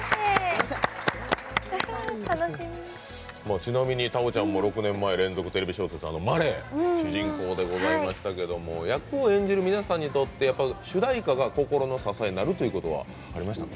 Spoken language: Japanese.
ちなみに太鳳ちゃんも６年前連続テレビ小説「まれ」主人公でございましたけど役を演じる皆さんにとって主題歌が心の支えになるということはありましたか？